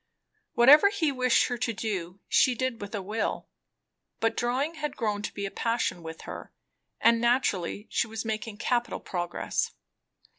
Whatever he wished her to do, she did with a will. But drawing had grown to be a passion with her, and naturally she was making capital progress.